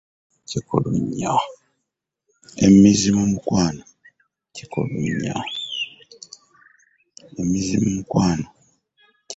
Emmizi mu mukwano kikulu nnyo.